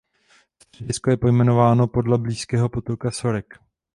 Středisko je pojmenováno podle blízkého potoka Sorek.